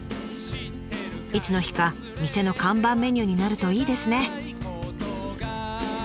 いつの日か店の看板メニューになるといいですね。